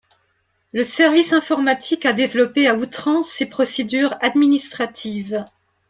Le service informatique a développé à outrance ses procédures administratives.